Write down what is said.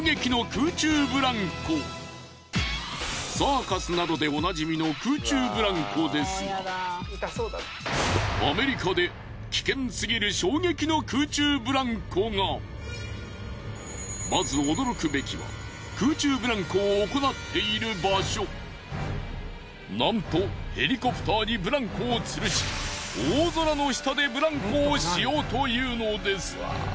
サーカスなどでおなじみの空中ブランコですがアメリカで危険すぎるまず驚くべきはなんとヘリコプターにブランコをつるし大空の下でブランコをしようというのです。